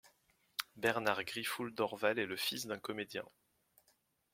Bernard Griffoul-Dorval est le fils d'un comédien.